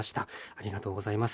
ありがとうございます。